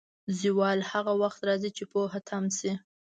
زوال هغه وخت راځي، چې پوهه تم شي.